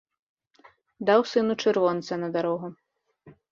Даў сыну чырвонца на дарогу.